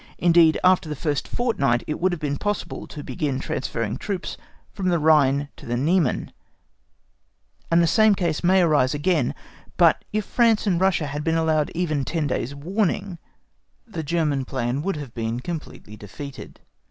Indeed, after the first fortnight it would have been possible to begin transferring troops from the Rhine to the Niemen; and the same case may arise again. But if France and Russia had been allowed even ten days' warning the German plan would have been completely defeated.